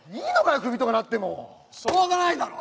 クビになってもしょうがないだろ